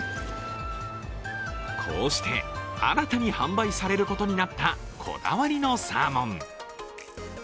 こうして新たに販売されることになった、こだわりのサーモン。